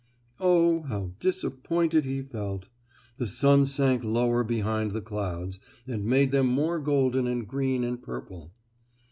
Oh, how disappointed he felt. The sun sank lower behind the clouds and made them more golden and green and purple.